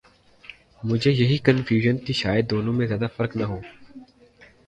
مجھے یہی کنفیوژن تھی شاید دونوں میں زیادہ فرق نہ ہو۔۔